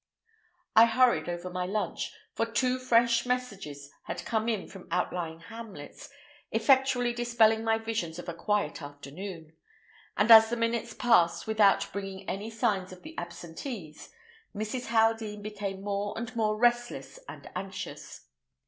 I hurried over my lunch, for two fresh messages had come in from outlying hamlets, effectually dispelling my visions of a quiet afternoon; and as the minutes passed without bringing any signs of the absentees, Mrs. Haldean became more and more restless and anxious.